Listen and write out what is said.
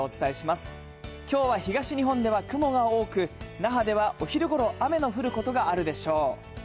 きょうは東日本では雲が多く、那覇ではお昼ごろ、雨の降ることがあるでしょう。